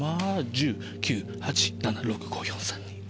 １０・９・８・７・６・５・４・３・２・１。